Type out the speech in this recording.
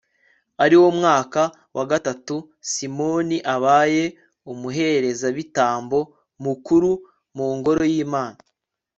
ari wo mwaka wa gatatu simoni abaye umuherezabitambo mukuru mu ngoro y'imana